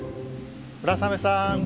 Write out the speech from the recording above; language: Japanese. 村雨さん。